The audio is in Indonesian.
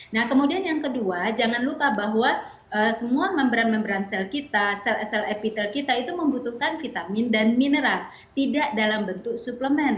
nah kemudian yang kedua jangan lupa bahwa semua memberan memberan sel kita sel sel epitel kita itu membutuhkan vitamin dan mineral tidak dalam bentuk suplemen